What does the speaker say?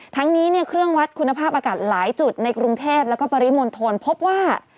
ทั้งนี้เนี่ยเครื่องวัดคุณภาพอากาศหลายจุดในกรุงเทพแล้วก็ปริมณฑลพบว่า